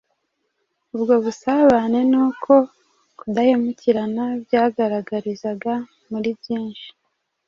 Ubwo busabane n'uko kudahemukirana byagaragariraga muri byinshi